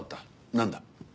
なんだ？